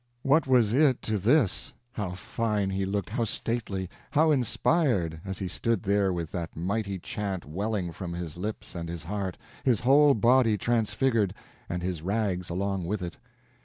what was it to this! How fine he looked, how stately, how inspired, as he stood there with that mighty chant welling from his lips and his heart, his whole body transfigured, and his rags along with it.